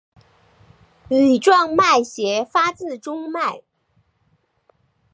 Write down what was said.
羽状脉斜发自中脉。